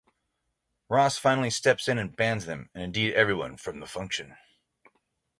Ross finally steps in and bans them, and indeed everyone, from the function.